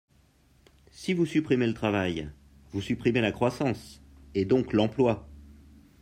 Si vous supprimez le travail, vous supprimez la croissance, et donc l’emploi.